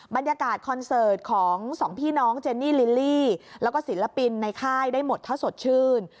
บรรยากาศคอนเสิร์ตของสองพี่น้องเจนี่ลิลลี่แล้วก็ศิลปินในค่ายได้หมดถ้าสดชื่น